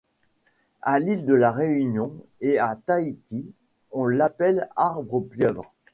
A l'île de La Réunion et à Tahiti, on l'appelle Arbre pieuvre.